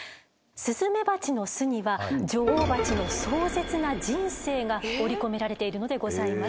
スズメバチの巣には女王蜂の壮絶な人生が織り込められているのでございます。